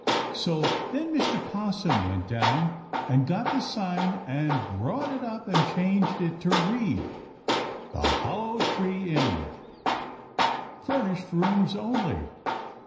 So then Mr. 'Possum went down and got the sign and brought it up and changed it to read: THE HOLLOW TREE INN. FURNISHED ROOMS ONLY.